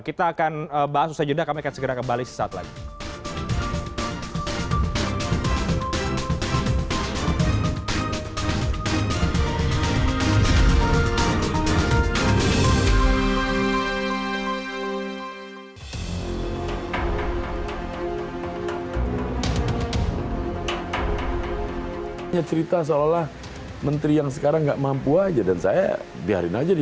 kita akan bahas selanjutnya